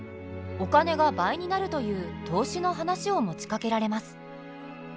お金が倍になるという投資の話を持ちかけられます。